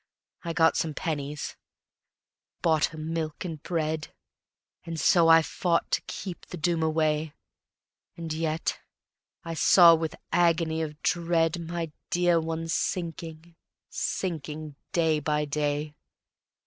I got some pennies, bought her milk and bread, And so I fought to keep the Doom away; And yet I saw with agony of dread My dear one sinking, sinking day by day.